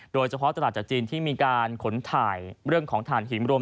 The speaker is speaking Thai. โดยเฉพาะตลาดจากจีนที่มีการขนถ่ายเรื่องของฐานหินรวม